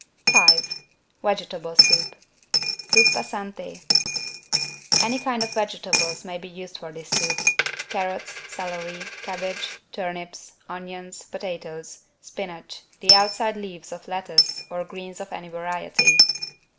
5 VEGETABLE SOUP (Zuppa Santé) Any kind of vegetables may be used for this soup: carrots, celery, cabbage, turnips, onions, potatoes, spinach, the outside leaves of lettuce or greens of any variety.